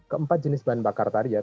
keempat jenis bahan bakar tadi ya